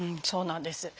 そうなんです。